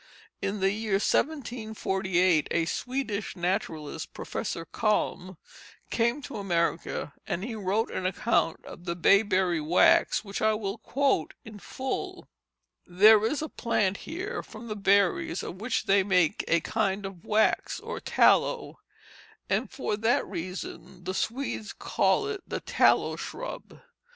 In the year 1748 a Swedish naturalist, Professor Kalm, came to America, and he wrote an account of the bayberry wax which I will quote in full: "There is a plant here from the berries of which they make a kind of wax or tallow, and for that reason the Swedes call it the tallow shrub.